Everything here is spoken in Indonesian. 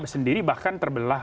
sendiri bahkan terbelah